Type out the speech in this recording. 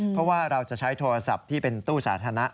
เพราะว่าเราจะใช้โทรศัพท์ที่เป็นตู้สาธารณะ